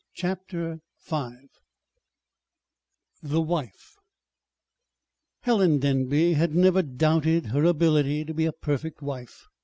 CHAPTER V THE WIFE Helen Denby had never doubted her ability to be a perfect wife.